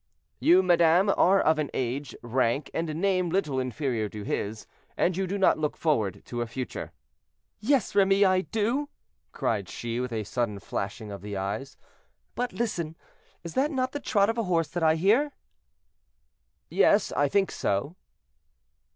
"You, madame, are of an age, rank, and name little inferior to his, and you do not look forward to a future." "Yes, Remy, I do," cried she, with a sudden flashing of the eyes; "but listen! is that not the trot of a horse that I hear?" "Yes, I think so."